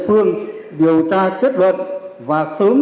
cho lù thời gian